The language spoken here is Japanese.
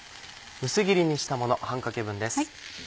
薄切りにしたもの半かけ分です。